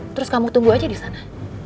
terus kamu tunggu aja disana